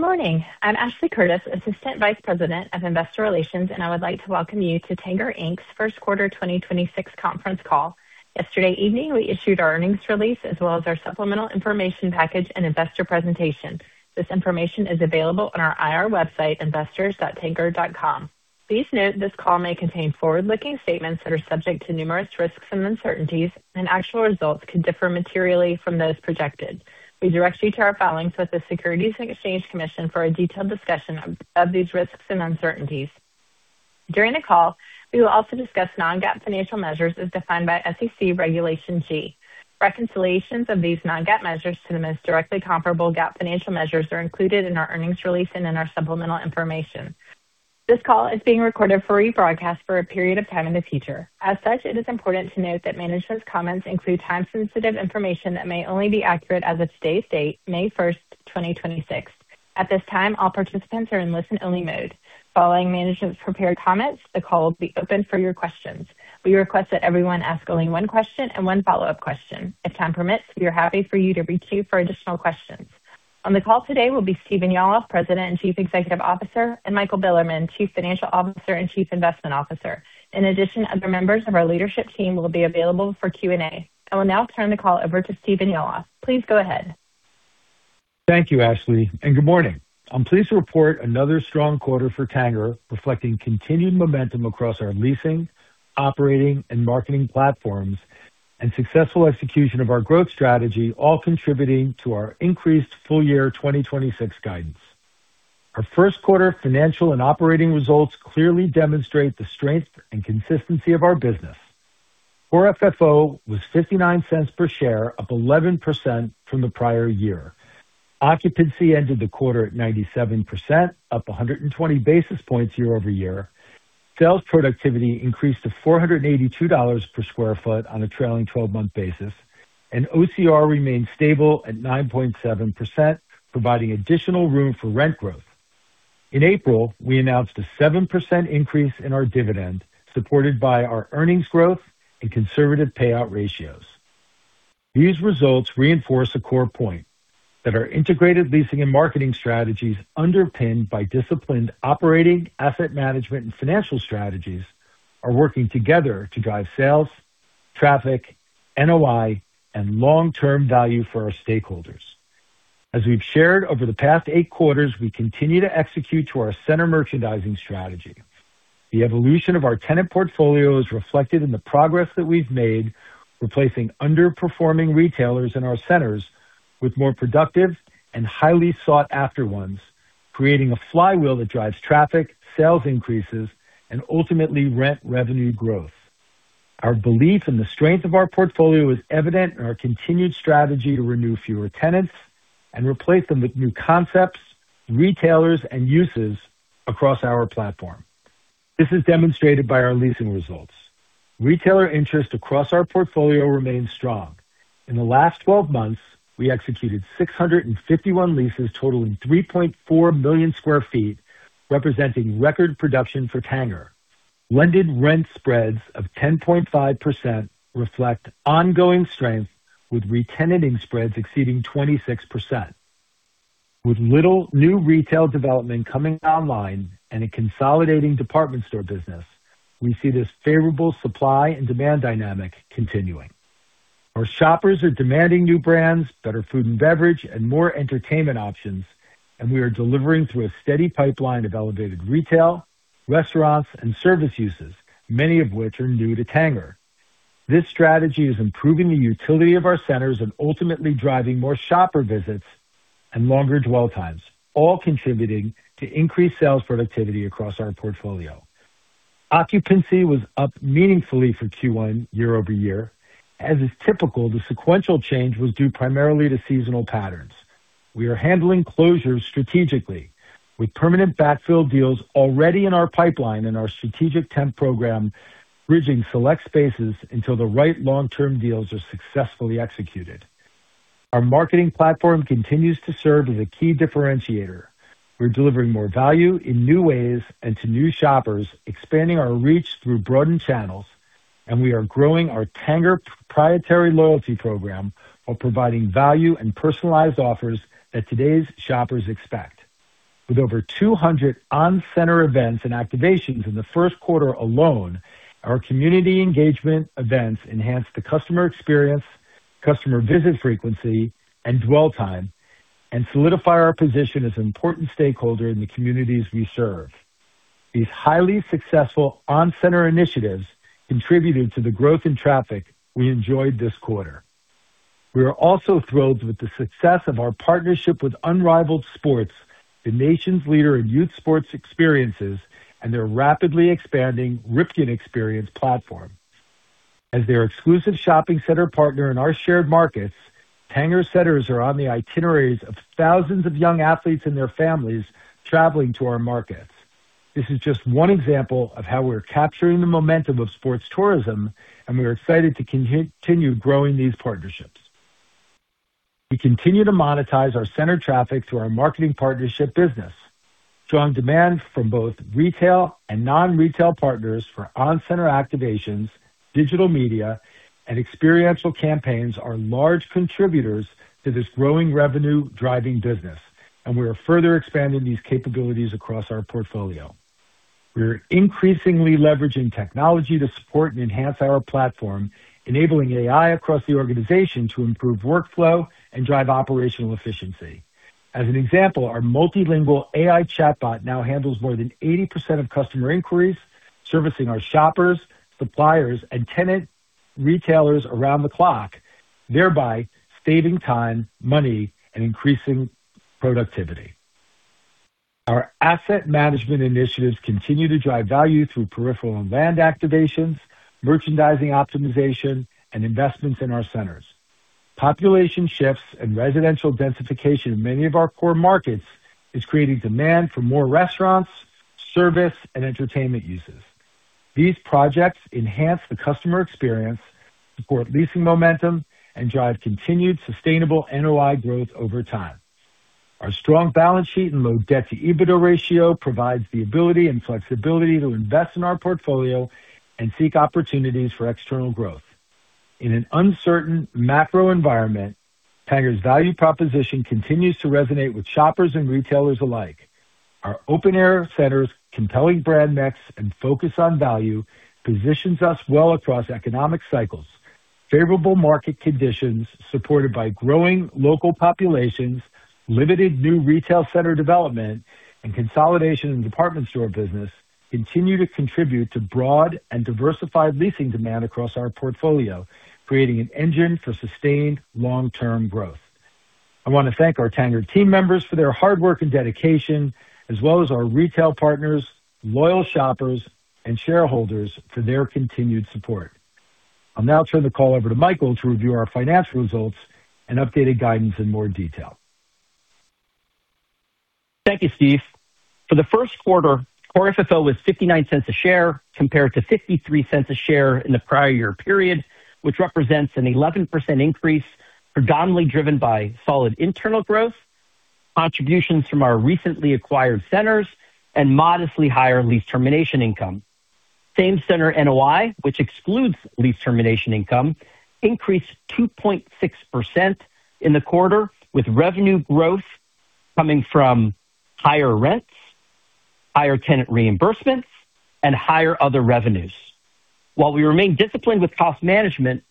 Good morning. I'm Ashley Curtis, Assistant Vice President of Investor Relations. I would like to welcome you to Tanger Inc's first quarter 2026 conference call. Yesterday evening, we issued our earnings release as well as our supplemental information package and investor presentation. This information is available on our IR website, investors.tanger.com. Please note this call may contain forward-looking statements that are subject to numerous risks and uncertainties, and actual results could differ materially from those projected. We direct you to our filings with the Securities and Exchange Commission for a detailed discussion of these risks and uncertainties. During the call, we will also discuss non-GAAP financial measures as defined by SEC Regulation G. Reconciliations of these non-GAAP measures to the most directly comparable GAAP financial measures are included in our earnings release and in our supplemental information. This call is being recorded for rebroadcast for a period of time in the future. As such, it is important to note that management's comments include time-sensitive information that may only be accurate as of today's date, May 1st, 2026. At this time, all participants are in listen-only mode. Following management's prepared comments, the call will be open for your questions. We request that everyone ask only one question and one follow-up question. If time permits, we are happy for you to reach you for additional questions. On the call today will be Stephen Yalof, President and Chief Executive Officer, and Michael Bilerman, Chief Financial Officer and Chief Investment Officer. In addition, other members of our leadership team will be available for Q&A. I will now turn the call over to Stephen Yalof. Please go ahead. Thank you, Ashley. Good morning. I'm pleased to report another strong quarter for Tanger, reflecting continued momentum across our leasing, operating, and marketing platforms and successful execution of our growth strategy, all contributing to our increased full year 2026 guidance. Our first quarter financial and operating results clearly demonstrate the strength and consistency of our business. Core FFO was $0.59 per share, up 11% from the prior year. Occupancy ended the quarter at 97%, up 120 basis points year-over-year. Sales productivity increased to $482/sq ft on a trailing 12-month basis, and OCR remained stable at 9.7%, providing additional room for rent growth. In April, we announced a 7% increase in our dividend, supported by our earnings growth and conservative payout ratios. These results reinforce a core point that our integrated leasing and marketing strategies, underpinned by disciplined operating, asset management, and financial strategies, are working together to drive sales, traffic, NOI, and long-term value for our stakeholders. As we've shared over the past eight quarters, we continue to execute to our center merchandising strategy. The evolution of our tenant portfolio is reflected in the progress that we've made, replacing underperforming retailers in our centers with more productive and highly sought-after ones, creating a flywheel that drives traffic, sales increases, and ultimately rent revenue growth. Our belief in the strength of our portfolio is evident in our continued strategy to renew fewer tenants and replace them with new concepts, retailers, and uses across our platform. This is demonstrated by our leasing results. Retailer interest across our portfolio remains strong. In the last 12 months, we executed 651 leases totaling 3.4 million sq ft, representing record production for Tanger. Blended rent spreads of 10.5% reflect ongoing strength with retenanting spreads exceeding 26%. With little new retail development coming online and a consolidating department store business, we see this favorable supply and demand dynamic continuing. Our shoppers are demanding new brands, better food and beverage, and more entertainment options, and we are delivering through a steady pipeline of elevated retail, restaurants, and service uses, many of which are new to Tanger. This strategy is improving the utility of our centers and ultimately driving more shopper visits and longer dwell times, all contributing to increased sales productivity across our portfolio. Occupancy was up meaningfully for Q1 year-over-year. As is typical, the sequential change was due primarily to seasonal patterns. We are handling closures strategically with permanent backfill deals already in our pipeline and our strategic temp program bridging select spaces until the right long-term deals are successfully executed. Our marketing platform continues to serve as a key differentiator. We're delivering more value in new ways and to new shoppers, expanding our reach through broadened channels, and we are growing our Tanger proprietary loyalty program while providing value and personalized offers that today's shoppers expect. With over 200 on-center events and activations in the first quarter alone, our community engagement events enhance the customer experience, customer visit frequency, and dwell time and solidify our position as an important stakeholder in the communities we serve. These highly successful on-center initiatives contributed to the growth in traffic we enjoyed this quarter. We are also thrilled with the success of our partnership with Unrivaled Sports, the nation's leader in youth sports experiences, and their rapidly expanding Ripken Experience platform. As their exclusive shopping center partner in our shared markets, Tanger centers are on the itineraries of thousands of young athletes and their families traveling to our markets. This is just one example of how we're capturing the momentum of sports tourism, and we are excited to continue growing these partnerships. We continue to monetize our center traffic through our marketing partnership business. On demand from both retail and non-retail partners for on-center activations, digital media, and experiential campaigns are large contributors to this growing revenue driving business, and we are further expanding these capabilities across our portfolio. We are increasingly leveraging technology to support and enhance our platform, enabling AI across the organization to improve workflow and drive operational efficiency. As an example, our multilingual AI chatbot now handles more than 80% of customer inquiries, servicing our shoppers, suppliers, and tenant retailers around the clock, thereby saving time, money, and increasing productivity. Our asset management initiatives continue to drive value through peripheral and land activations, merchandising optimization, and investments in our centers. Population shifts and residential densification in many of our core markets is creating demand for more restaurants, service, and entertainment uses. These projects enhance the customer experience, support leasing momentum, and drive continued sustainable NOI growth over time. Our strong balance sheet and low debt-to-EBITDA ratio provides the ability and flexibility to invest in our portfolio and seek opportunities for external growth. In an uncertain macro environment, Tanger's value proposition continues to resonate with shoppers and retailers alike. Our open air centers, compelling brand mix, and focus on value positions us well across economic cycles. Favorable market conditions supported by growing local populations, limited new retail center development, and consolidation in department store business continue to contribute to broad and diversified leasing demand across our portfolio, creating an engine for sustained long-term growth. I want to thank our Tanger team members for their hard work and dedication, as well as our retail partners, loyal shoppers, and shareholders for their continued support. I'll now turn the call over to Michael to review our financial results and updated guidance in more detail. Thank you, Steve. For the first quarter, Core FFO was $0.59 a share compared to $0.53 a share in the prior year period, which represents an 11% increase predominantly driven by solid internal growth, contributions from our recently acquired centers, and modestly higher lease termination income. Same-center NOI, which excludes lease termination income, increased 2.6% in the quarter, with revenue growth coming from higher rents, higher tenant reimbursements, and higher other revenues. While we remain disciplined with cost management,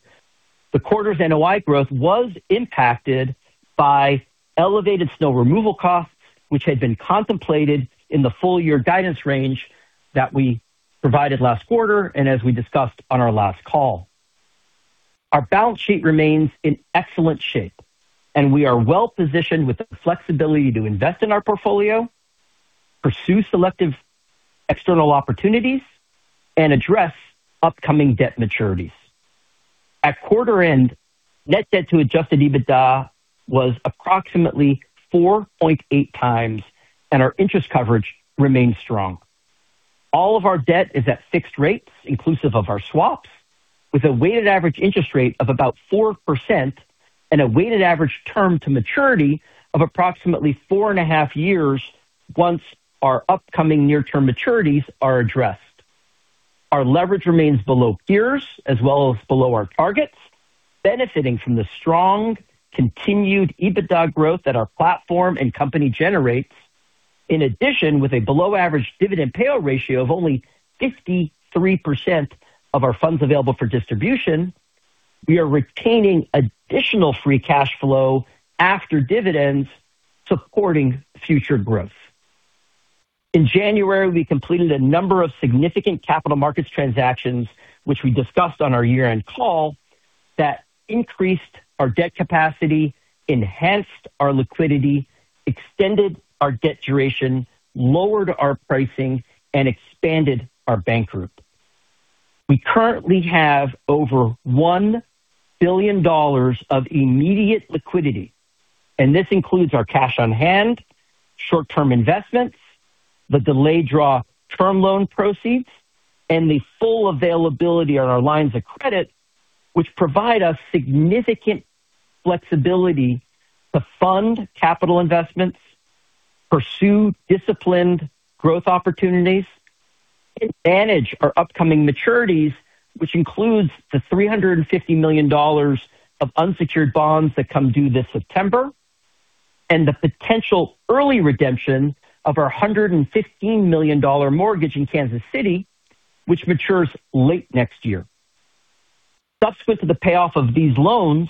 the quarter's NOI growth was impacted by elevated snow removal costs, which had been contemplated in the full year guidance range that we provided last quarter and as we discussed on our last call. Our balance sheet remains in excellent shape, and we are well-positioned with the flexibility to invest in our portfolio, pursue selective external opportunities, and address upcoming debt maturities. At quarter end, net debt-to-adjusted EBITDA was approximately 4.8x, and our interest coverage remains strong. All of our debt is at fixed rates inclusive of our swaps, with a weighted average interest rate of about 4% and a weighted average term to maturity of approximately four and a half years once our upcoming near-term maturities are addressed. Our leverage remains below peers as well as below our targets, benefiting from the strong continued EBITDA growth that our platform and company generates. In addition, with a below-average dividend payout ratio of only 53% of our funds available for distribution, we are retaining additional free cash flow after dividends supporting future growth. In January, we completed a number of significant capital markets transactions, which we discussed on our year-end call, that increased our debt capacity, enhanced our liquidity, extended our debt duration, lowered our pricing, and expanded our bank group. We currently have over $1 billion of immediate liquidity, and this includes our cash on hand, short-term investments, the delayed draw Term Loan proceeds, and the full availability on our lines of credit, which provide us significant flexibility to fund capital investments, pursue disciplined growth opportunities, and manage our upcoming maturities, which includes the $350 million of unsecured bonds that come due this September and the potential early redemption of our $115 million mortgage in Kansas City, which matures late next year. Subsequent to the payoff of these loans,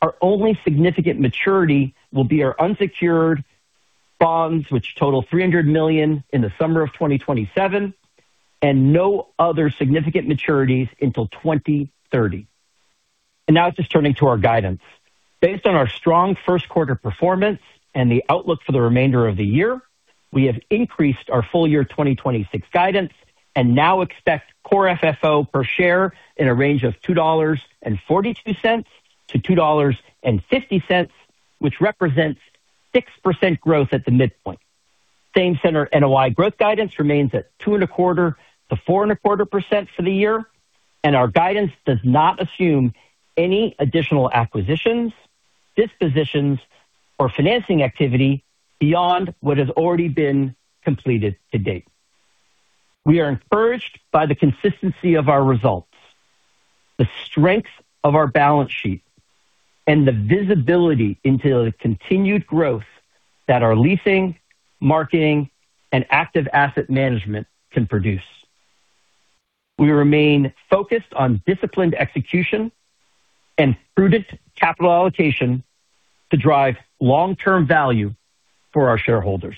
our only significant maturity will be our unsecured bonds, which total $300 million in the summer of 2027. No other significant maturities until 2030. Now just turning to our guidance. Based on our strong first quarter performance and the outlook for the remainder of the year, we have increased our full year 2026 guidance and now expect Core FFO per share in a range of $2.42-$2.50, which represents 6% growth at the midpoint. Same-center NOI growth guidance remains at 2.25%-4.25% for the year. Our guidance does not assume any additional acquisitions. Dispositions or financing activity beyond what has already been completed to-date. We are encouraged by the consistency of our results, the strength of our balance sheet, and the visibility into the continued growth that our leasing, marketing, and active asset management can produce. We remain focused on disciplined execution and prudent capital allocation to drive long-term value for our shareholders.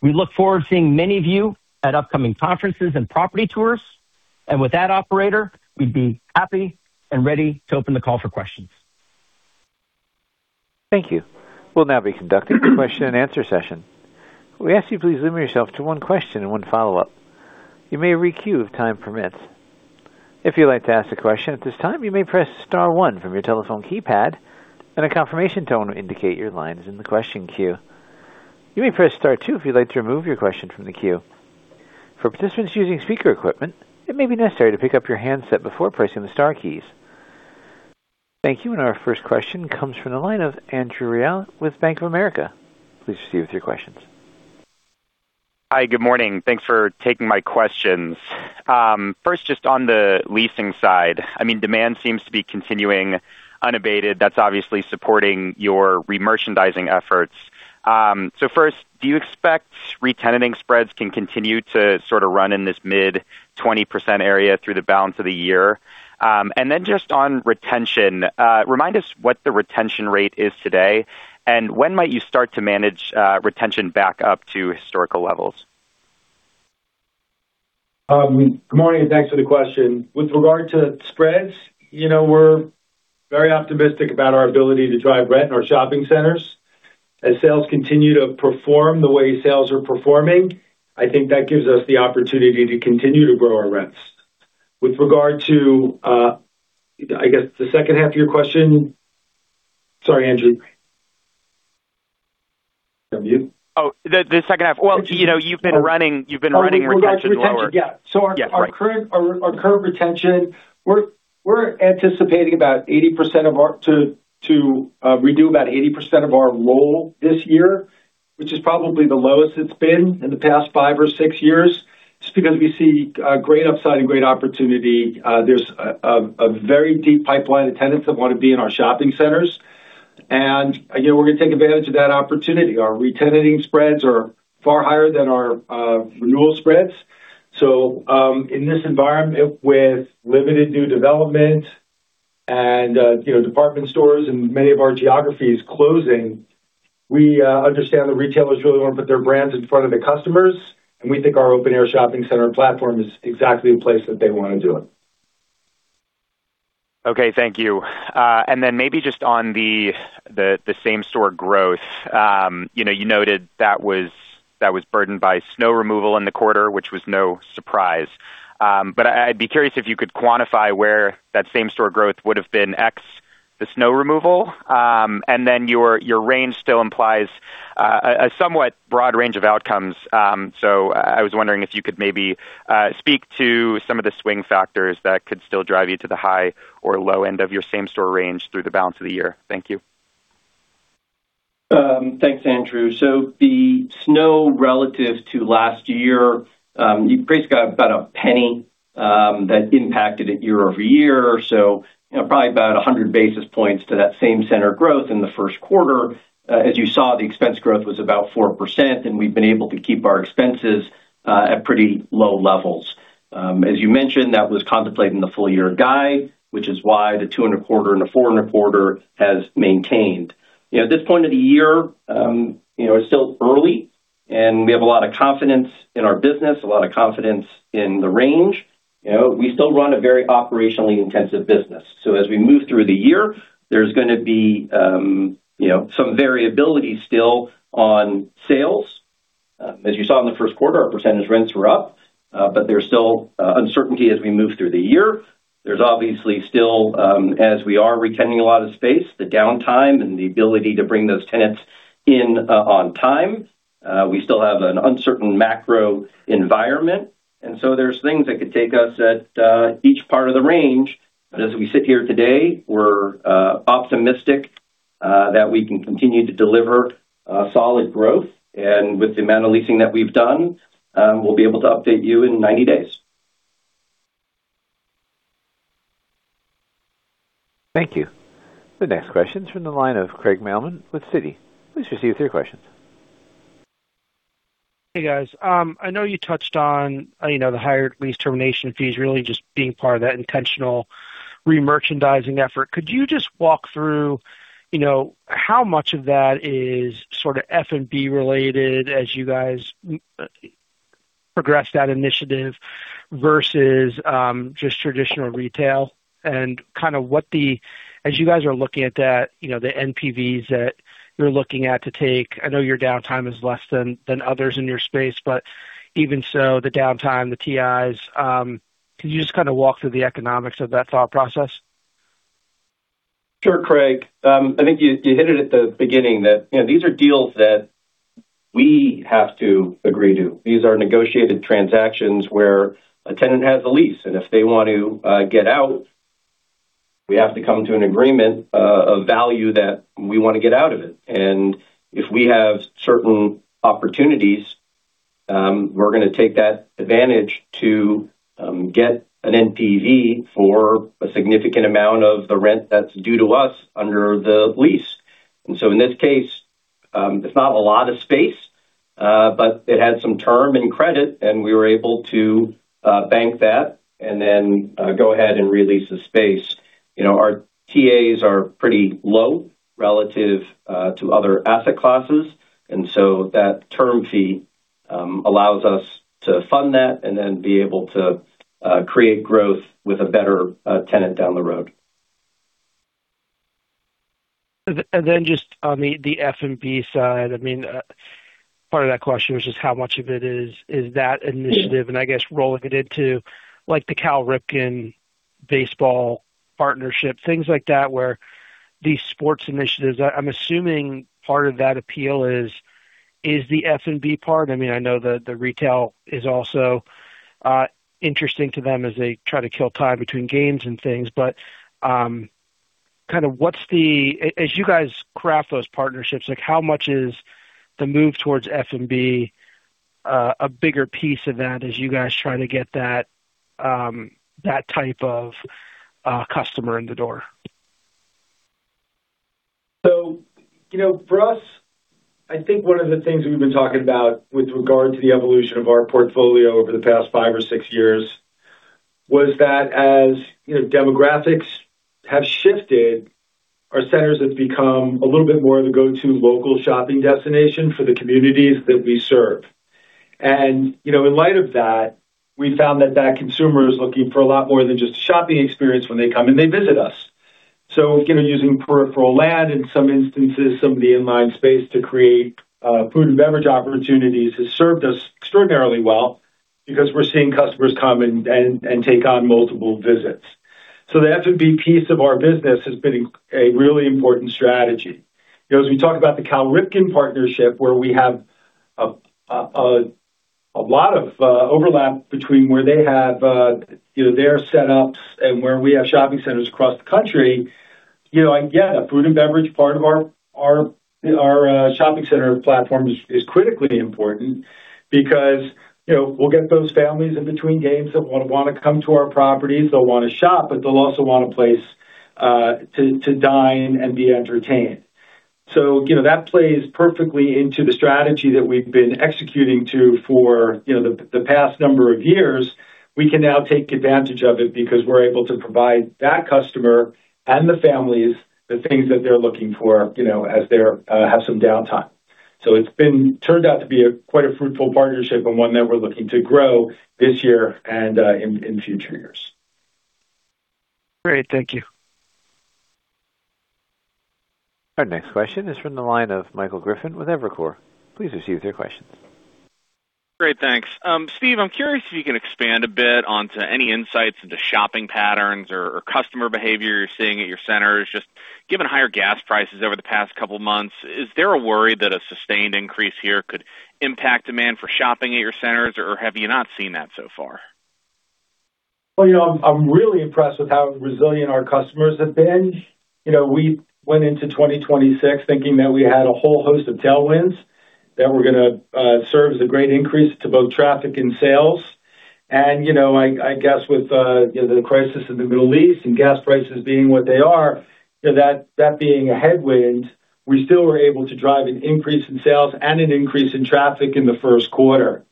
We look forward to seeing many of you at upcoming conferences and property tours. With that, operator, we'd be happy and ready to open the call for questions. Thank you. We'll now be conducting the question-and-answer session. We ask you please limit yourself to one question and one follow-up. You may re-queue if time permits. If you like to ask a question at this time you may press star one from your telephone keypad and a confirmation tone will indicate your line is on the question queue. You may press star two if you like to remove your question from the queue. For participants using speaker equipment it maybe necessary to pick up your handset before pressing the star keys. Thank you. Our first question comes from the line of Andrew Reale with Bank of America. Please proceed with your questions. Hi, good morning. Thanks for taking my questions. First, just on the leasing side, I mean, demand seems to be continuing unabated. That's obviously supporting your remerchandising efforts. First, do you expect re-tenanting spreads can continue to sort of run in this mid 20% area through the balance of the year? Just on retention, remind us what the retention rate is today, when might you start to manage retention back up to historical levels? Good morning. Thanks for the question. With regard to spreads, you know, we're very optimistic about our ability to drive rent in our shopping centers. As sales continue to perform the way sales are performing, I think that gives us the opportunity to continue to grow our rents. With regard to, I guess the second half of your question. Sorry, Andrew. You on mute? The second half. Well, you know, you've been running retention lower. Oh, yeah, our retention, yeah. Yeah, right. Our current retention, we're anticipating about 80% to renew about 80% of our roll this year, which is probably the lowest it's been in the past five or six years. Just because we see great upside and great opportunity. There's a very deep pipeline of tenants that wanna be in our shopping centers. Again, we're gonna take advantage of that opportunity. Our re-tenanting spreads are far higher than our renewal spreads. In this environment with limited new development and, you know, department stores and many of our geographies closing, we understand the retailers really wanna put their brands in front of the customers, and we think our open-air shopping center platform is exactly the place that they wanna do it. Okay. Thank you. Maybe just on the same-store growth. You know, you noted that was burdened by snow removal in the quarter, which was no surprise. I'd be curious if you could quantify where that same-store growth would've been ex the snow removal. Your range still implies a somewhat broad range of outcomes. I was wondering if you could maybe speak to some of the swing factors that could still drive you to the high or low end of your same-store range through the balance of the year. Thank you. Thanks, Andrew. The snow relative to last year, you've basically got about $0.01 that impacted it year-over-year. You know, probably about 100 basis points to that same-center growth in the first quarter. As you saw, the expense growth was about 4%, and we've been able to keep our expenses at pretty low levels. As you mentioned, that was contemplated in the full-year guide, which is why the 2.25% and the 4.25% has maintained. You know, at this point of the year, you know, it's still early, and we have a lot of confidence in our business, a lot of confidence in the range. You know, we still run a very operationally intensive business. As we move through the year, there's gonna be, you know, some variability still on sales. As you saw in the first quarter, our percentage rents were up, there's still uncertainty as we move through the year. There's obviously still, as we are re-tenanting a lot of space, the downtime and the ability to bring those tenants in on time. We still have an uncertain macro environment, there's things that could take us at each part of the range. As we sit here today, we're optimistic that we can continue to deliver solid growth. With the amount of leasing that we've done, we'll be able to update you in 90 days. Thank you. The next question is from the line of Craig Mailman with Citi. Please proceed with your questions. Hey, guys. I know you touched on, you know, the higher lease termination fees really just being part of that intentional remerchandising effort. Could you just walk through, you know, how much of that is sort of F&B related as you guys progress that initiative versus just traditional retail? Kind of what, as you guys are looking at that, you know, the NPVs that you're looking at to take, I know your downtime is less than others in your space, but even so, the downtime, the TIs, could you just kind of walk through the economics of that thought process? Sure, Craig. I think you hit it at the beginning that, you know, these are deals that we have to agree to. These are negotiated transactions where a tenant has a lease, and if they want to get out, we have to come to an agreement, a value that we want to get out of it. If we have certain opportunities, we're going to take that advantage to get an NPV for a significant amount of the rent that's due to us under the lease. In this case, it's not a lot of space, but it had some term and credit, and we were able to bank that and then go ahead and re-lease the space. You know, our TIs are pretty low relative to other asset classes. That term fee allows us to fund that and then be able to create growth with a better tenant down the road. Just on the F&B side, I mean, part of that question was just how much of it is that initiative, and I guess rolling it into like the Cal Ripken baseball partnership, things like that, where these sports initiatives, I'm assuming part of that appeal is the F&B part. I mean, I know the retail is also interesting to them as they try to kill time between games and things. Kind of what's the as you guys craft those partnerships, like how much is the move towards F&B, a bigger piece of that as you guys try to get that type of customer in the door? You know, for us, I think one of the things we've been talking about with regard to the evolution of our portfolio over the past five or six years was that as, you know, demographics have shifted, our centers have become a little bit more of the go-to local shopping destination for the communities that we serve. You know, in light of that, we found that that consumer is looking for a lot more than just a shopping experience when they come and they visit us. Again, using peripheral land, in some instances, some of the inline space to create food and beverage opportunities has served us extraordinarily well because we're seeing customers come and take on multiple visits. The F&B piece of our business has been a really important strategy. You know, as we talk about the Cal Ripken partnership, where we have a lot of overlap between where they have, you know, their setups and where we have shopping centers across the country. You know, again, the food and beverage part of our shopping center platform is critically important because, you know, we'll get those families in between games that will wanna come to our properties. They'll wanna shop, they'll also want a place to dine and be entertained. You know, that plays perfectly into the strategy that we've been executing to for, you know, the past number of years. We can now take advantage of it because we're able to provide that customer and the families the things that they're looking for, you know, as they're have some downtime. It turned out to be a quite a fruitful partnership and one that we're looking to grow this year and in future years. Great. Thank you. Our next question is from the line of Michael Griffin with Evercore. Please proceed with your questions. Great, thanks. Steve, I'm curious if you can expand a bit onto any insights into shopping patterns or customer behavior you're seeing at your centers. Just given higher gas prices over the past couple of months, is there a worry that a sustained increase here could impact demand for shopping at your centers, or have you not seen that so far? Well, you know, I'm really impressed with how resilient our customers have been. You know, we went into 2026 thinking that we had a whole host of tailwinds that were gonna serve as a great increase to both traffic and sales. You know, I guess with, you know, the crisis in the Middle East and gas prices being what they are, you know, that being a headwind, we still were able to drive an increase in sales and an increase in traffic in the first quarter.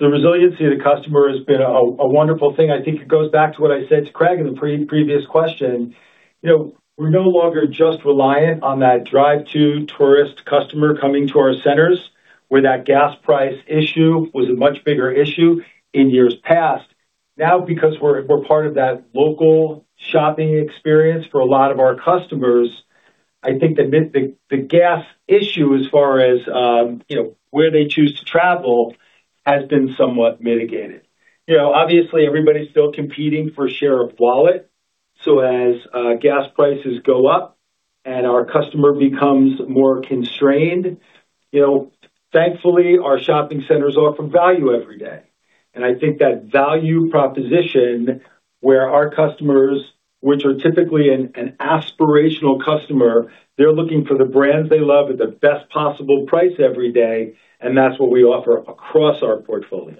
The resiliency of the customer has been a wonderful thing. I think it goes back to what I said to Craig in the previous question. You know, we're no longer just reliant on that drive-to tourist customer coming to our centers, where that gas price issue was a much bigger issue in years past. Because we're part of that local shopping experience for a lot of our customers, I think the gas issue as far as, you know, where they choose to travel has been somewhat mitigated. You know, obviously, everybody's still competing for share of wallet. As gas prices go up and our customer becomes more constrained, you know, thankfully, our shopping centers offer value every day. I think that value proposition where our customers, which are typically an aspirational customer, they're looking for the brands they love at the best possible price every day, that's what we offer across our portfolio.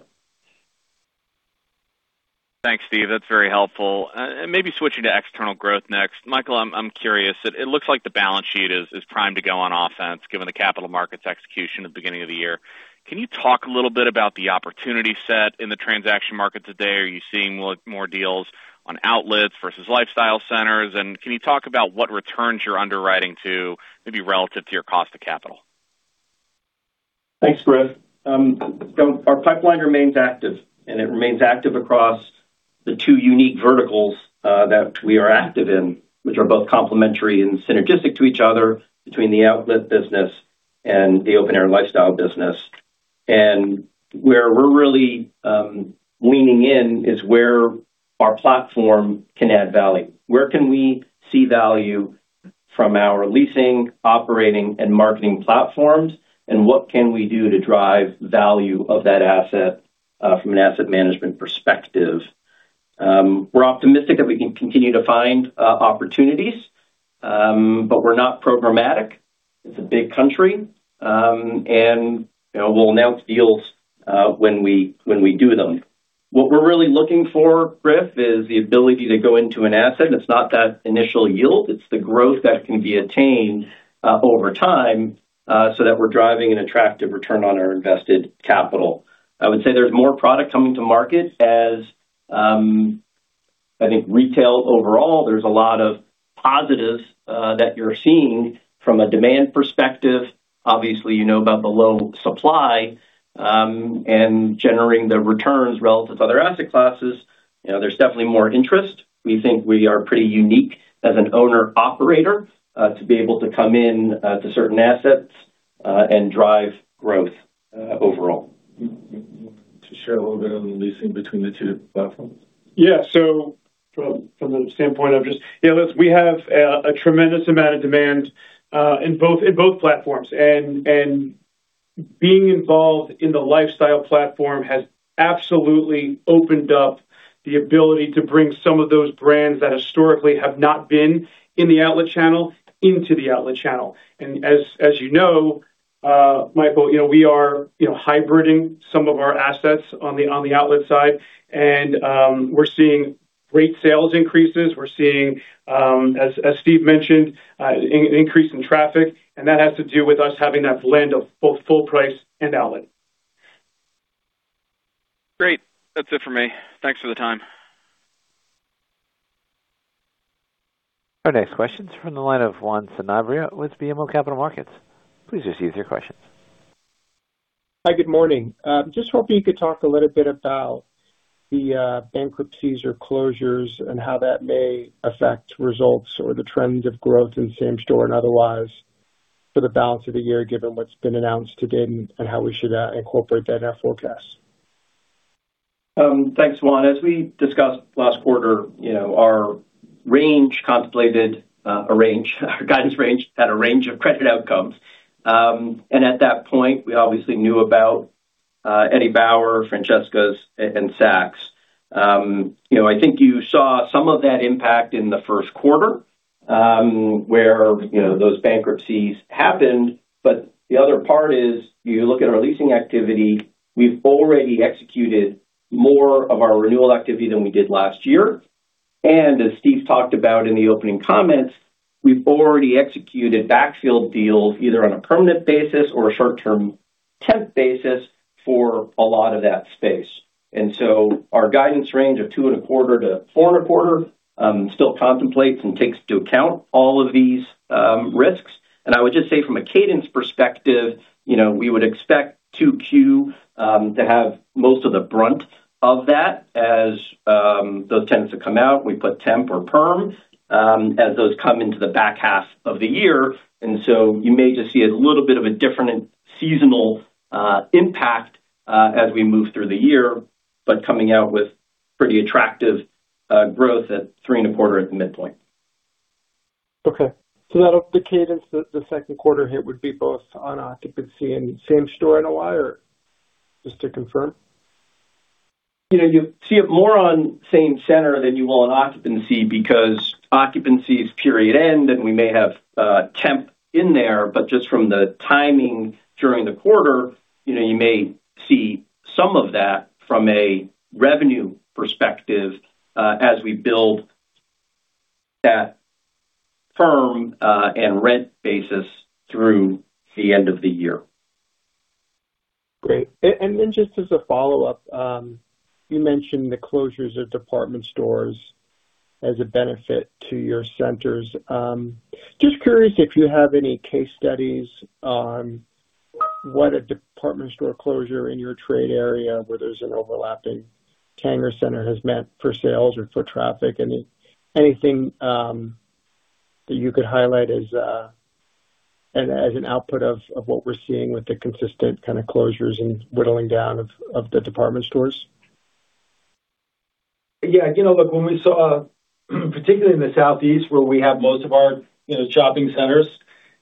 Thanks, Steve. That's very helpful. Maybe switching to external growth next. Michael, I'm curious. It looks like the balance sheet is primed to go on offense, given the capital markets execution at the beginning of the year. Can you talk a little bit about the opportunity set in the transaction market today? Are you seeing more deals on outlets versus lifestyle centers? Can you talk about what returns you're underwriting to, maybe relative to your cost of capital? Thanks, Griff. Our pipeline remains active, and it remains active across the two unique verticals that we are active in, which are both complementary and synergistic to each other between the outlet business and the open-air lifestyle business. Where we're really leaning in is where our platform can add value. Where can we see value from our leasing, operating, and marketing platforms, and what can we do to drive value of that asset from an asset management perspective? We're optimistic that we can continue to find opportunities, but we're not programmatic. It's a big country. You know, we'll announce deals when we do them. What we're really looking for, Griff, is the ability to go into an asset. It's not that initial yield, it's the growth that can be attained over time so that we're driving an attractive return on our invested capital. I would say there's more product coming to market as I think retail overall, there's a lot of positives that you're seeing from a demand perspective. Obviously, you know about the low supply, and generating the returns relative to other asset classes. You know, there's definitely more interest. We think we are pretty unique as an owner/operator, to be able to come in, to certain assets, and drive growth, overall. Do you want to share a little bit on the leasing between the two platforms? Yeah. From the standpoint of just... You know, listen, we have a tremendous amount of demand in both platforms. Being involved in the lifestyle platform has absolutely opened up the ability to bring some of those brands that historically have not been in the outlet channel into the outlet channel. As you know, Michael, you know, we are, you know, hybriding some of our assets on the outlet side. We're seeing great sales increases. We're seeing, as Steve mentioned, an increase in traffic, and that has to do with us having that blend of both full price and outlet. Great. That's it for me. Thanks for the time. Our next question is from the line of Juan Sanabria with BMO Capital Markets. Please just use your questions. Hi, good morning. Just hoping you could talk a little bit about the bankruptcies or closures and how that may affect results or the trends of growth in same store and otherwise for the balance of the year, given what's been announced to date and how we should incorporate that in our forecast? Thanks, Juan. As we discussed last quarter, you know, our range contemplated a range, our guidance range had a range of credit outcomes. You know, at that point, we obviously knew about Eddie Bauer, Francesca's, and Saks. You know, I think you saw some of that impact in the first quarter, where, you know, those bankruptcies happened. The other part is, you look at our leasing activity, we've already executed more of our renewal activity than we did last year. As Steve talked about in the opening comments, we've already executed backfield deals, either on a permanent basis or a short-term temp basis for a lot of that space. Our guidance range of two and a quarter to four and a quarter, still contemplates and takes into account all of these risks. I would just say from a cadence perspective, you know, we would expect 2Q to have most of the brunt of that. Those tends to come out, we put temp or perm, as those come into the back half of the year. You may just see a little bit of a different seasonal impact as we move through the year. Coming out with pretty attractive growth at three and a quarter at the midpoint. Okay. The cadence, the second quarter hit would be both on occupancy and same store and ROI, or just to confirm? You know, you see it more on same center than you will on occupancy because occupancy is period end, and we may have, temp in there. Just from the timing during the quarter, you know, you may see some of that from a revenue perspective, as we build that firm, and rent basis through the end of the year. Great. Then just as a follow-up, you mentioned the closures of department stores as a benefit to your centers. Just curious if you have any case studies on what a department store closure in your trade area where there's an overlapping Tanger center has meant for sales or foot traffic? Anything that you could highlight as an output of what we're seeing with the consistent kind of closures and whittling down of the department stores? Yeah. You know, look, when we saw, particularly in the southeast where we have most of our, you know, shopping centers,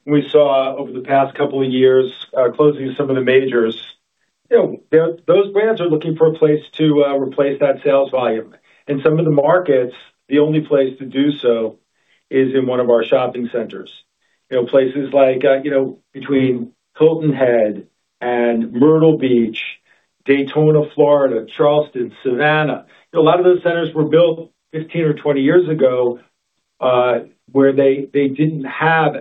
we saw over the past couple of years, closing some of the majors. You know, those brands are looking for a place to replace that sales volume. In some of the markets, the only place to do so is in one of our shopping centers. You know, places like, you know, between Hilton Head and Myrtle Beach, Daytona, Florida, Charleston, Savannah. A lot of those centers were built 15 or 20 years ago, where they didn't have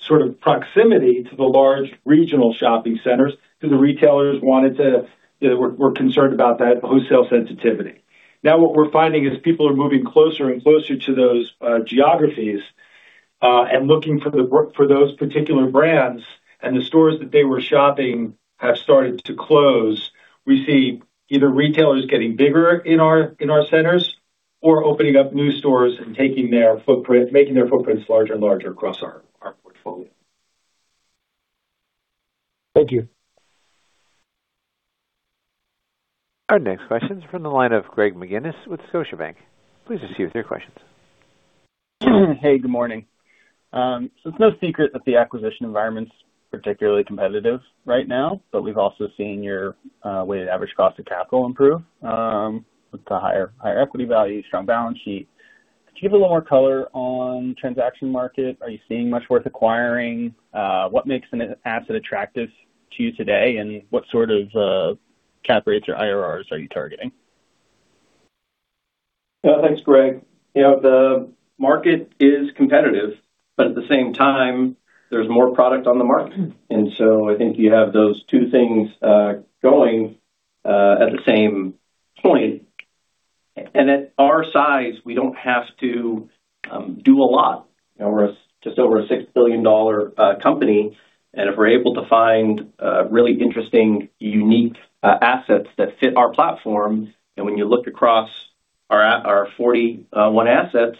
sort of proximity to the large regional shopping centers because the retailers wanted to, you know, were concerned about that wholesale sensitivity. Now what we're finding is people are moving closer and closer to those geographies and looking for those particular brands, and the stores that they were shopping have started to close. We see either retailers getting bigger in our centers. We are opening up new stores and making their footprints larger and larger across our portfolio. Thank you. Our next question is from the line of Greg McGinniss with Scotiabank. Please proceed with your questions. Hey, good morning. It's no secret that the acquisition environment's particularly competitive right now, but we've also seen your weighted average cost of capital improve with the higher equity value, strong balance sheet. Could you give a little more color on transaction market? Are you seeing much worth acquiring? What makes an asset attractive to you today, and what sort of cap rates or IRRs are you targeting? Yeah, thanks, Greg. You know, the market is competitive, but at the same time, there's more product on the market. I think you have those two things going at the same point. At our size, we don't have to do a lot. You know, we're just over a $6 billion company. If we're able to find really interesting, unique assets that fit our platform, and when you look across our 41 assets,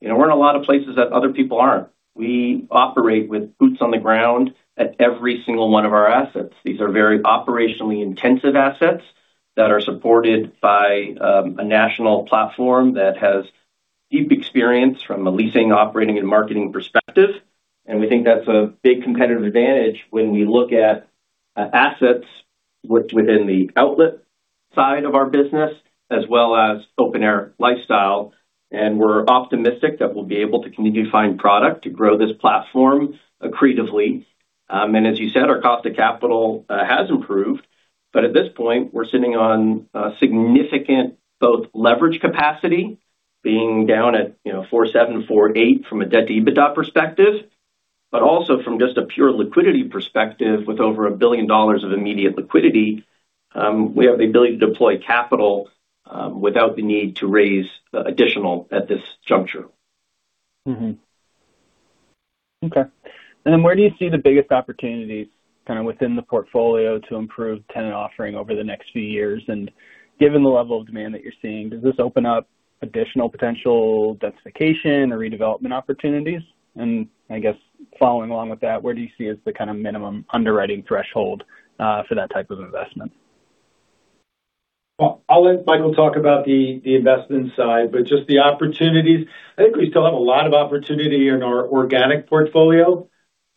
you know, we're in a lot of places that other people aren't. We operate with boots on the ground at every single one of our assets. These are very operationally intensive assets that are supported by a national platform that has deep experience from a leasing, operating, and marketing perspective. We think that's a big competitive advantage when we look at assets within the outlet side of our business, as well as open-air lifestyle. We're optimistic that we'll be able to continue to find product to grow this platform accretively. As you said, our cost of capital has improved. At this point, we're sitting on a significant both leverage capacity, being down at 4.7x-4.8x from a debt-to-EBITDA perspective, but also from just a pure liquidity perspective, with over $1 billion of immediate liquidity, we have the ability to deploy capital without the need to raise additional at this juncture. Okay. Where do you see the biggest opportunities kind of within the portfolio to improve tenant offering over the next few years? Given the level of demand that you're seeing, does this open up additional potential densification or redevelopment opportunities? I guess following along with that, where do you see as the kind of minimum underwriting threshold for that type of investment? I'll let Michael talk about the investment side, but just the opportunities, I think we still have a lot of opportunity in our organic portfolio.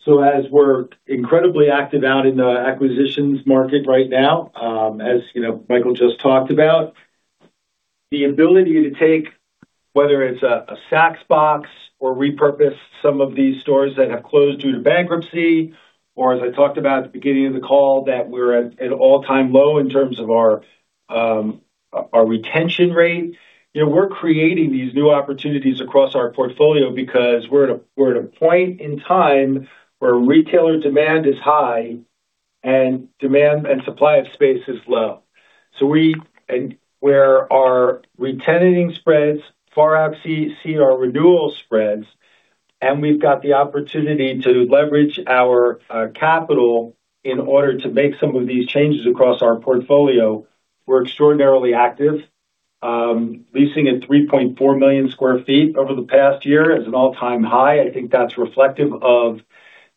As we're incredibly active out in the acquisitions market right now, as you know, Michael just talked about, the ability to take, whether it's a Saks box or repurpose some of these stores that have closed due to bankruptcy, or as I talked about at the beginning of the call, that we're at an all-time low in terms of our retention rate. You know, we're creating these new opportunities across our portfolio because we're at a point in time where retailer demand is high and demand and supply of space is low. Where our re-tenanting spreads far exceeds our renewal spreads, and we've got the opportunity to leverage our capital in order to make some of these changes across our portfolio. We're extraordinarily active, leasing at 3.4 million sq ft over the past year is an all-time high. I think that's reflective of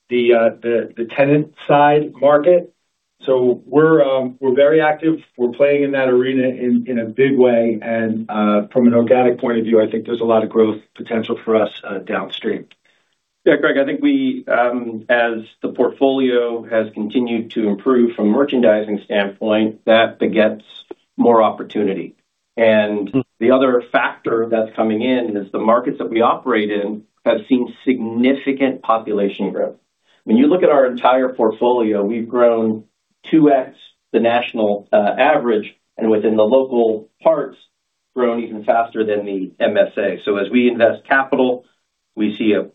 the, the tenant side market. We're, we're very active. We're playing in that arena in a big way. From an organic point of view, I think there's a lot of growth potential for us downstream. Yeah, Greg, I think we, as the portfolio has continued to improve from a merchandising standpoint, that begets more opportunity. The other factor that's coming in is the markets that we operate in have seen significant population growth. When you look at our entire portfolio, we've grown 2x the national average. Within the local parts, grown even faster than the MSA. As we invest capital, we see a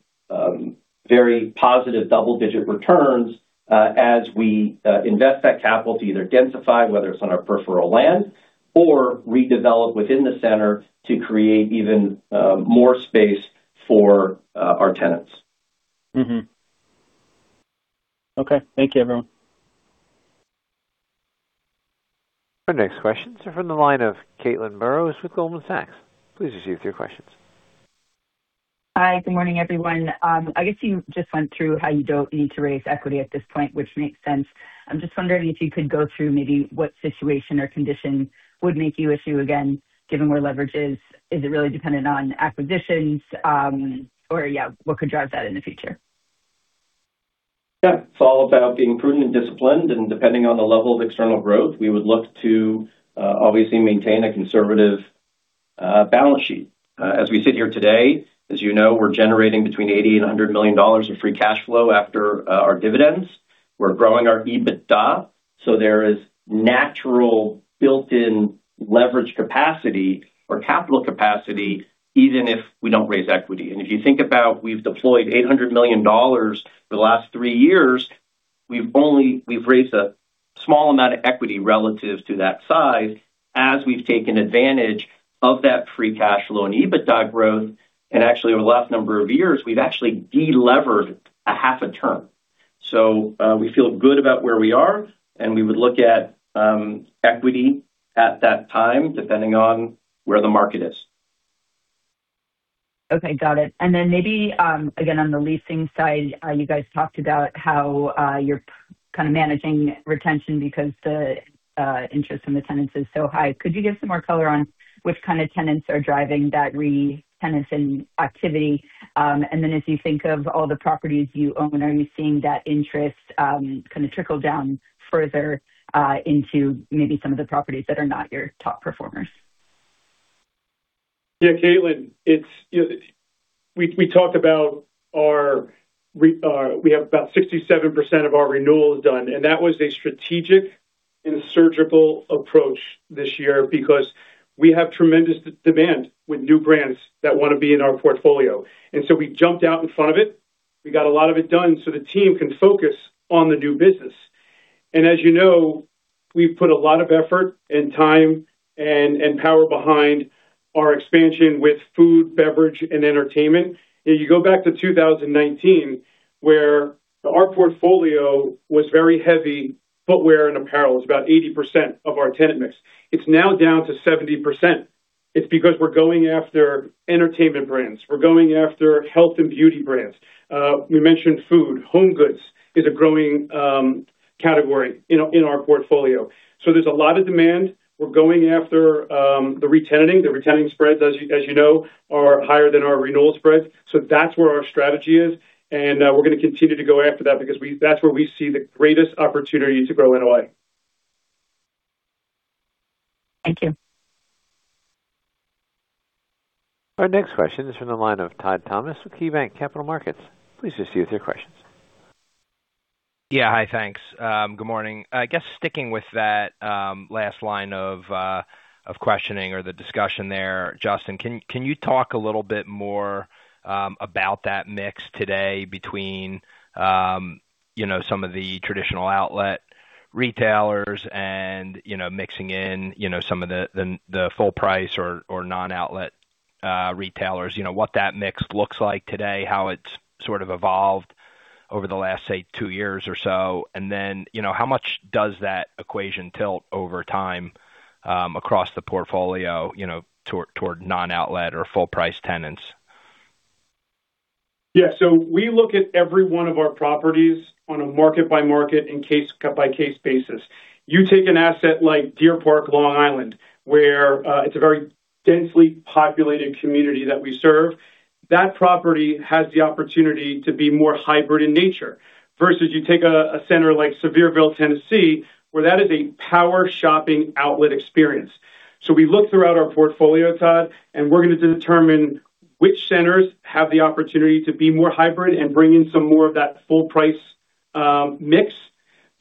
very positive double-digit returns as we invest that capital to either densify, whether it's on our peripheral land or redevelop within the center to create even more space for our tenants. Mm-hmm. Okay. Thank you, everyone. Our next questions are from the line of Caitlin Burrows with Goldman Sachs. Please receive your questions. Hi. Good morning, everyone. I guess you just went through how you don't need to raise equity at this point, which makes sense. I'm just wondering if you could go through maybe what situation or condition would make you issue again, given where leverage is. Is it really dependent on acquisitions? Or yeah, what could drive that in the future? It's all about being prudent and disciplined. Depending on the level of external growth, we would look to obviously maintain a conservative balance sheet. As we sit here today, as you know, we're generating between $80 million and $100 million of free cash flow after our dividends. We're growing our EBITDA. There is natural built-in leverage capacity or capital capacity, even if we don't raise equity. If you think about we've deployed $800 million for the last three years, we've only raised a small amount of equity relative to that size as we've taken advantage of that free cash flow and EBITDA growth. Actually, over the last number of years, we've actually delevered a half a term. We feel good about where we are, and we would look at equity at that time, depending on where the market is. Okay. Got it. Maybe, again, on the leasing side, you guys talked about how you're kind of managing retention because the interest from the tenants is so high. Could you give some more color on which kind of tenants are driving that re-tenancy activity? As you think of all the properties you own, are you seeing that interest kind of trickle down further into maybe some of the properties that are not your top performers? Yeah, Caitlin, We talked about our, we have about 67% of our renewals done. That was a strategic and surgical approach this year because we have tremendous demand with new brands that wanna be in our portfolio. We jumped out in front of it. We got a lot of it done so the team can focus on the new business. As you know, we've put a lot of effort and time and power behind our expansion with food, beverage, and entertainment. If you go back to 2019, where our portfolio was very heavy footwear and apparel. It was about 80% of our tenant mix. It's now down to 70%. It's because we're going after entertainment brands. We're going after health and beauty brands. We mentioned food. Home goods is a growing, category in our, in our portfolio. There's a lot of demand. We're going after, the re-tenanting. The re-tenanting spreads, as you, as you know, are higher than our renewal spreads. That's where our strategy is. We're gonna continue to go after that because that's where we see the greatest opportunity to grow NOI. Thank you. Our next question is from the line of Todd Thomas with KeyBanc Capital Markets. Please proceed with your questions. Yeah. Hi. Thanks. Good morning. I guess sticking with that last line of questioning or the discussion there, Justin, can you talk a little bit more about that mix today between, you know, some of the traditional outlet retailers and, you know, mixing in, you know, some of the full price or non-outlet retailers, you know, what that mix looks like today, how it's sort of evolved over the last, say, two years or so. Then, you know, how much does that equation tilt over time across the portfolio, you know, toward non-outlet or full price tenants? Yeah. We look at every one of our properties on a market-by-market and case-by-case basis. You take an asset like Deer Park, Long Island, where it's a very densely populated community that we serve. That property has the opportunity to be more hybrid in nature. Versus you take a center like Sevierville, Tennessee, where that is a power shopping outlet experience. We look throughout our portfolio, Todd, and we're going to determine which centers have the opportunity to be more hybrid and bring in some more of that full price mix.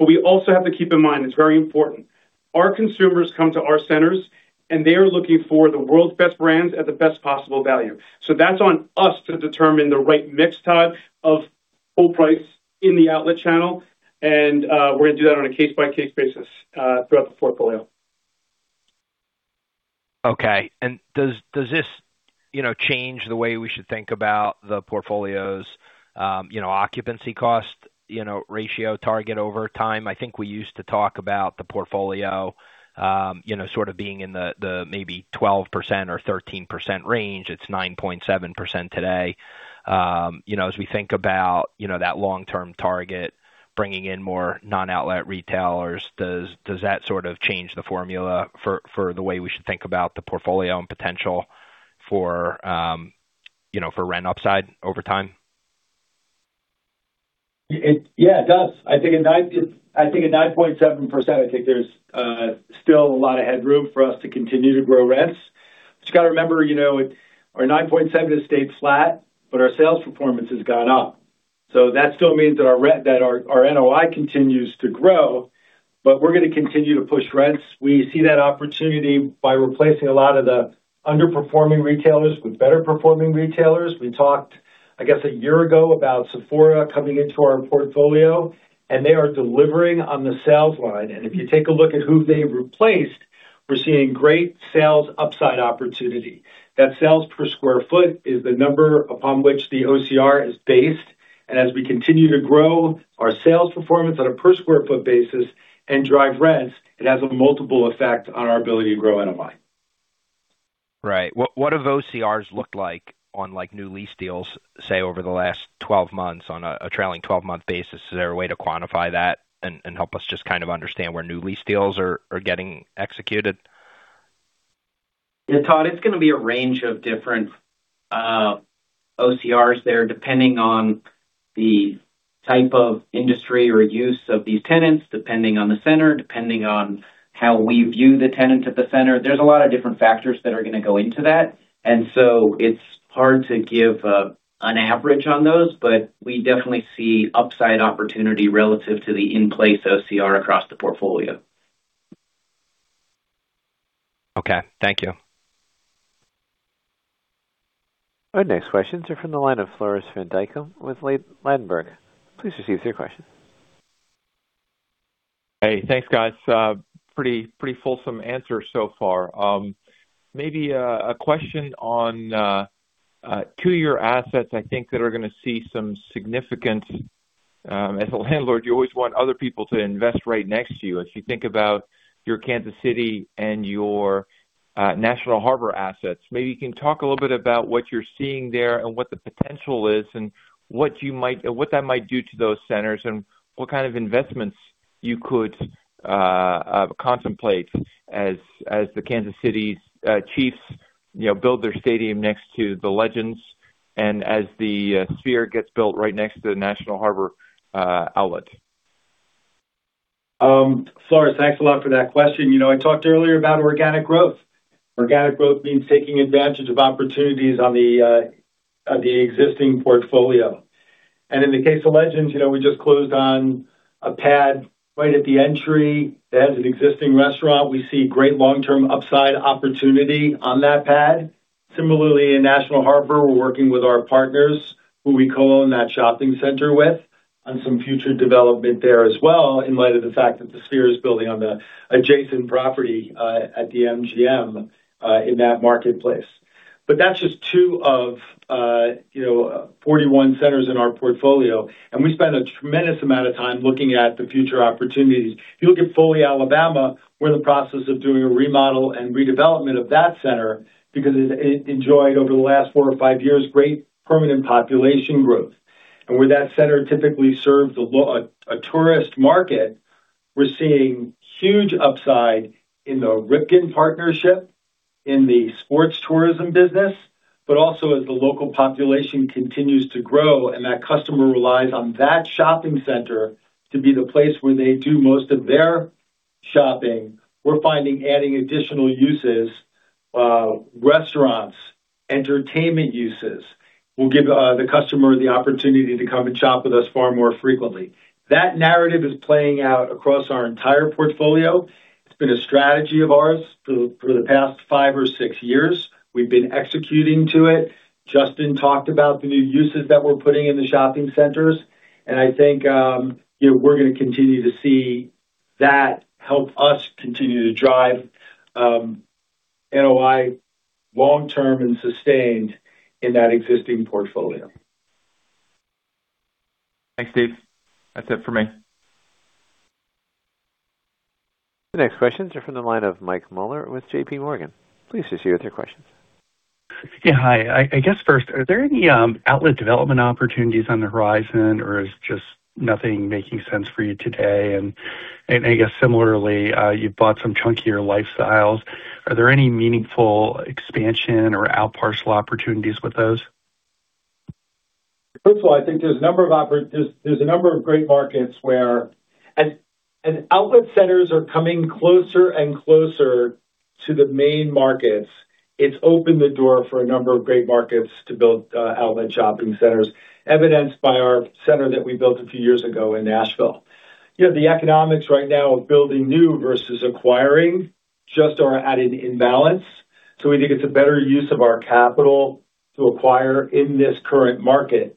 We also have to keep in mind, it's very important, our consumers come to our centers, and they are looking for the world's best brands at the best possible value. That's on us to determine the right mix, Todd, of full price in the outlet channel. We're gonna do that on a case-by-case basis throughout the portfolio. Okay. Does this, you know, change the way we should think about the portfolio's, you know, occupancy cost, you know, ratio target over time? I think we used to talk about the portfolio, you know, sort of being in the maybe 12% or 13% range. It's 9.7% today. You know, as we think about, you know, that long-term target, bringing in more non-outlet retailers, does that sort of change the formula for the way we should think about the portfolio and potential for, you know, for rent upside over time? Yeah, it does. I think at 9.7%, I think there's still a lot of headroom for us to continue to grow rents. Just gotta remember, you know, our 9.7% has stayed flat, our sales performance has gone up. That still means that our NOI continues to grow, we're gonna continue to push rents. We see that opportunity by replacing a lot of the underperforming retailers with better performing retailers. We talked, I guess, a year ago, about Sephora coming into our portfolio, they are delivering on the sales line. If you take a look at who they replaced, we're seeing great sales upside opportunity. That sales per square foot is the number upon which the OCR is based. As we continue to grow our sales performance on a per square foot basis and drive rents, it has a multiple effect on our ability to grow NOI. Right. What have OCRs looked like on, like, new lease deals, say, over the last 12 months on a trailing 12-month basis? Is there a way to quantify that and help us just kind of understand where new lease deals are getting executed? Yeah, Todd, it's going to be a range of different OCRs there, depending on the type of industry or use of these tenants, depending on the center, depending on how we view the tenant at the center. There's a lot of different factors that are going to go into that. It's hard to give an average on those, but we definitely see upside opportunity relative to the in-place OCR across the portfolio. Okay. Thank you. Our next questions are from the line of Floris van Dijkum with Ladenburg. Please proceed with your question. Hey, thanks, guys. Pretty fulsome answer so far. Maybe a question on your assets, I think that are gonna see some significant, as a landlord, you always want other people to invest right next to you. As you think about your Kansas City and your National Harbor assets, maybe you can talk a little bit about what you're seeing there and what the potential is and what that might do to those centers and what kind of investments you could contemplate as the Kansas City Chiefs, you know, build their stadium next to the Legends and as the Sphere gets built right next to the National Harbor outlet. Floris, thanks a lot for that question. You know, I talked earlier about organic growth. Organic growth means taking advantage of opportunities on the existing portfolio. In the case of Legends, you know, we just closed on a pad right at the entry that has an existing restaurant. We see great long-term upside opportunity on that pad. Similarly, in National Harbor, we're working with our partners who we co-own that shopping center with on some future development there as well, in light of the fact that the Sphere is building on the adjacent property at the MGM in that marketplace. That's just two of, you know, 41 centers in our portfolio, and we spend a tremendous amount of time looking at the future opportunities. If you look at Foley, Alabama, we're in the process of doing a remodel and redevelopment of that center because it enjoyed over the last four or five years, great permanent population growth. Where that center typically serves a tourist market, we're seeing huge upside in the Ripken partnership, in the sports tourism business. Also, as the local population continues to grow and that customer relies on that shopping center to be the place where they do most of their shopping, we're finding adding additional uses, restaurants, entertainment uses will give the customer the opportunity to come and shop with us far more frequently. That narrative is playing out across our entire portfolio. It's been a strategy of ours for the past five or six years. We've been executing to it. Justin talked about the new uses that we're putting in the shopping centers, and I think, you know, we're gonna continue to see that help us continue to drive, NOI long term and sustained in that existing portfolio. Thanks, Steve. That's it for me. The next questions are from the line of Mike Mueller with JPMorgan. Please proceed with your questions. Yeah, hi. I guess first, are there any outlet development opportunities on the horizon, or is just nothing making sense for you today? I guess similarly, you've bought some chunkier lifestyles. Are there any meaningful expansion or out parcel opportunities with those? First of all, I think there's a number of great markets where outlet centers are coming closer and closer to the main markets. It's opened the door for a number of great markets to build outlet shopping centers, evidenced by our center that we built a few years ago in Nashville. You know, the economics right now of building new versus acquiring just are at an imbalance. We think it's a better use of our capital to acquire in this current market.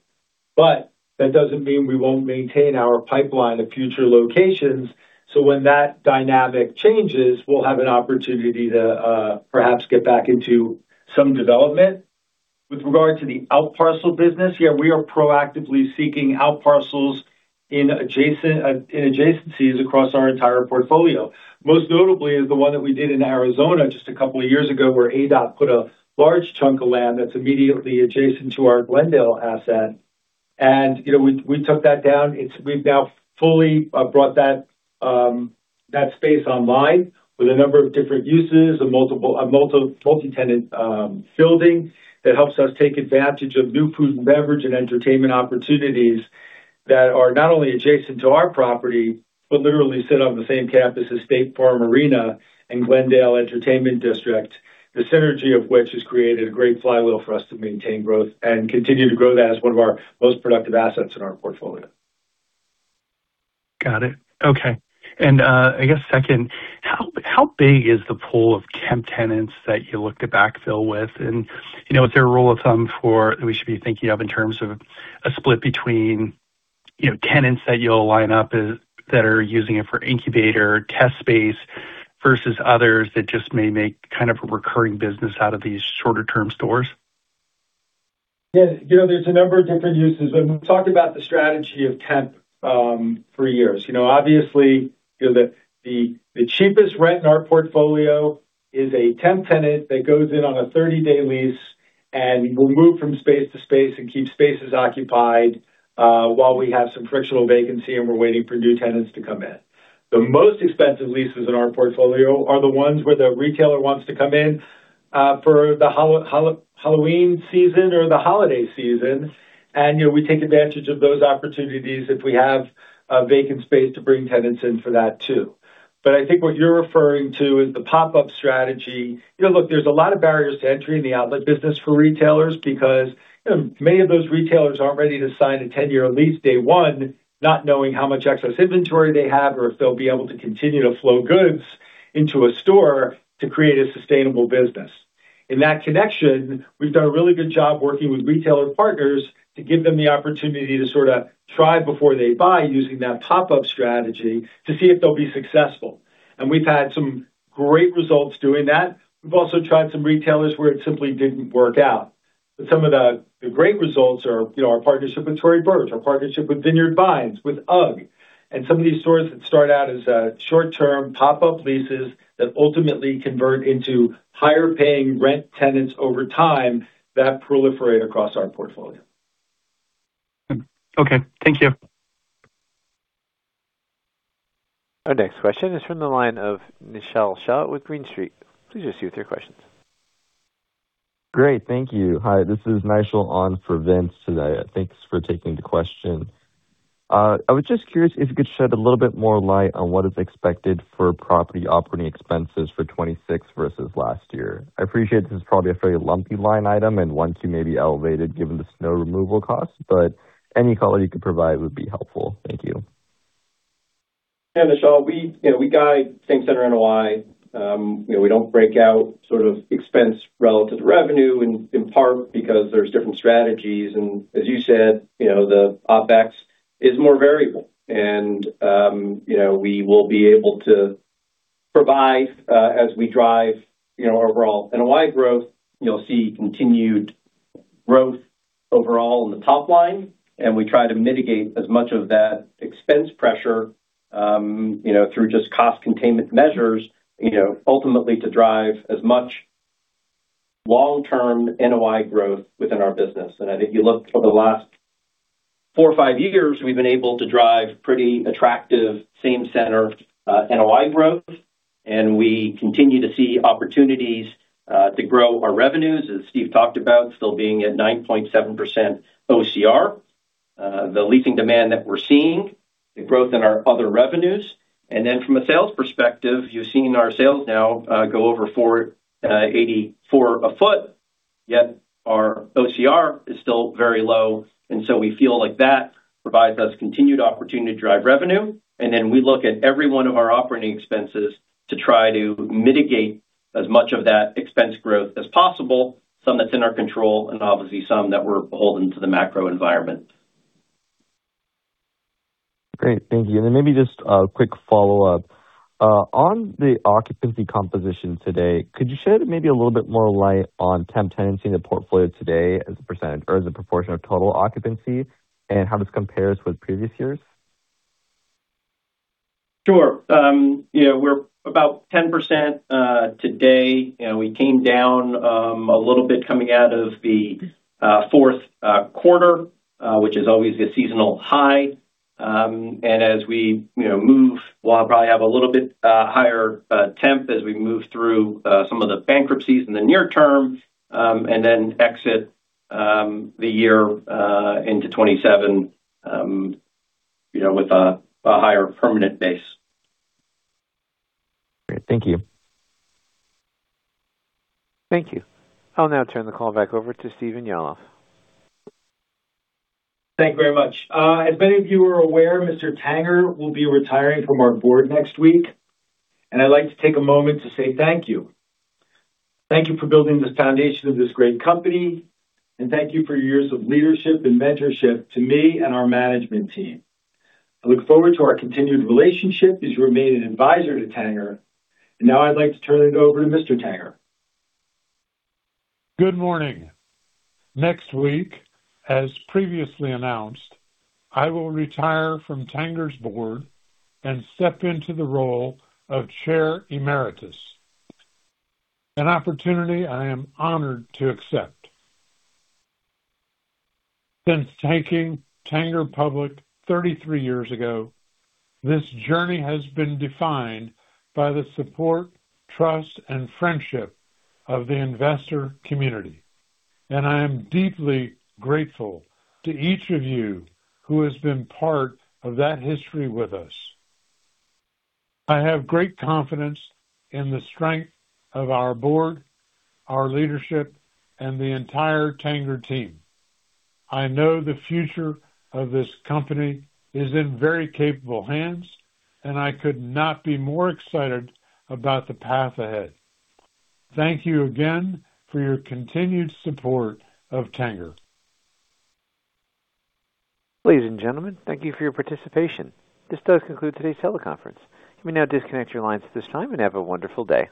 That doesn't mean we won't maintain our pipeline of future locations. When that dynamic changes, we'll have an opportunity to perhaps get back into some development. With regard to the out parcel business, yeah, we are proactively seeking out parcels in adjacencies across our entire portfolio. Most notably is the one that we did in Arizona just a couple of years ago, where ADOT put a large chunk of land that's immediately adjacent to our Glendale asset. You know, we took that down. We've now fully brought that space online with a number of different uses, a multi-tenant building that helps us take advantage of new food and beverage and entertainment opportunities that are not only adjacent to our property, but literally sit on the same campus as State Farm Stadium and Glendale Entertainment District, the synergy of which has created a great flywheel for us to maintain growth and continue to grow that as one of our most productive assets in our portfolio. Got it. Okay. I guess second, how big is the pool of temp tenants that you look to backfill with? You know, is there a rule of thumb for we should be thinking of in terms of a split between, you know, tenants that you'll line up that are using it for incubator test space versus others that just may make kind of a recurring business out of these shorter-term stores? Yeah. You know, there's a number of different uses. When we talk about the strategy of temp for years. You know, obviously, you know, the cheapest rent in our portfolio is a temp tenant that goes in on a 30-day lease and will move from space to space and keep spaces occupied while we have some frictional vacancy, and we're waiting for new tenants to come in. The most expensive leases in our portfolio are the ones where the retailer wants to come in for the Halloween season or the holiday season, and, you know, we take advantage of those opportunities if we have a vacant space to bring tenants in for that too. I think what you're referring to is the pop-up strategy. You know, look, there's a lot of barriers to entry in the outlet business for retailers because, you know, many of those retailers aren't ready to sign a 10-year lease day one, not knowing how much excess inventory they have or if they'll be able to continue to flow goods into a store to create a sustainable business. In that connection, we've done a really good job working with retailer partners to give them the opportunity to sort of try before they buy, using that top-up strategy to see if they'll be successful. We've had some great results doing that. We've also tried some retailers where it simply didn't work out. Some of the great results are, you know, our partnership with Tory Burch, our partnership with Vineyard Vines, with UGG. Some of these stores that start out as short-term pop-up leases that ultimately convert into higher paying rent tenants over time that proliferate across our portfolio. Okay. Thank you. Our next question is from the line of Naishal Shah with Green Street. Please proceed with your questions. Great. Thank you. Hi, this is Naishal on for Vince today. Thanks for taking the question. I was just curious if you could shed a little bit more light on what is expected for property operating expenses for 2026 versus last year. I appreciate this is probably a very lumpy line item and one that may be elevated given the snow removal cost, but any color you could provide would be helpful. Thank you. Yeah, Naishal, we, you know, we guide same-center NOI. You know, we don't break out sort of expense relative to revenue, in part because there's different strategies. As you said, you know, the OpEx is more variable. You know, we will be able to provide, as we drive, you know, overall NOI growth, you'll see continued growth overall in the top line, and we try to mitigate as much of that expense pressure, you know, through just cost containment measures, you know, ultimately to drive as much long-term NOI growth within our business. I think you look over the last four or five years, we've been able to drive pretty attractive same center NOI growth. We continue to see opportunities to grow our revenues, as Steve talked about, still being at 9.7% OCR. The leasing demand that we're seeing, the growth in our other revenues. From a sales perspective, you've seen our sales now, go over $4.84/ft yet our OCR is still very low. We feel like that provides us continued opportunity to drive revenue. We look at every one of our operating expenses to try to mitigate as much of that expense growth as possible, some that's in our control and obviously some that we're beholden to the macro environment. Great. Thank you. Maybe just a quick follow-up. On the occupancy composition today, could you shed maybe a little bit more light on temp tenancy in the portfolio today as a percent or as a proportion of total occupancy, and how this compares with previous years? Sure. You know, we're about 10% today. You know, we came down a little bit coming out of the fourth quarter, which is always a seasonal high. As we, you know, move, we'll probably have a little bit higher temp as we move through some of the bankruptcies in the near term, and then exit the year into 2027, you know, with a higher permanent base. Great. Thank you. Thank you. I'll now turn the call back over to Stephen Yalof. Thank you very much. As many of you are aware, Mr. Tanger will be retiring from our Board next week, and I'd like to take a moment to say thank you. Thank you for building this foundation of this great company, and thank you for your years of leadership and mentorship to me and our Management team. I look forward to our continued relationship as you remain an advisor to Tanger. Now I'd like to turn it over to Mr. Tanger. Good morning. Next week, as previously announced, I will retire from Tanger's Board and step into the role of Chair Emeritus, an opportunity I am honored to accept. Since taking Tanger public 33 years ago, this journey has been defined by the support, trust, and friendship of the investor community, and I am deeply grateful to each of you who has been part of that history with us. I have great confidence in the strength of our Board, our leadership, and the entire Tanger team. I know the future of this company is in very capable hands, and I could not be more excited about the path ahead. Thank you again for your continued support of Tanger. Ladies and gentlemen, thank you for your participation. This does conclude today's teleconference. You may now disconnect your lines at this time. Have a wonderful day.